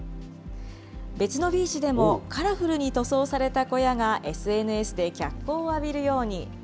別のビーチでもカラフルに塗装された小屋が、ＳＮＳで脚光を浴びるように。